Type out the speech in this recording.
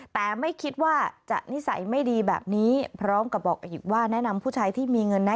แต่ไม่คิดว่าจะนิสัยไม่ดีแบบนี้พร้อมกับบอกอีกว่าแนะนำผู้ชายที่มีเงินนะ